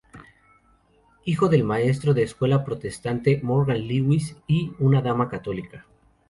Hijo del maestro de escuela protestante Morgan Lewis y una dama católica.